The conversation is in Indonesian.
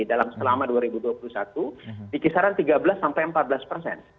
dalam selama dua ribu dua puluh satu di kisaran tiga belas sampai empat belas persen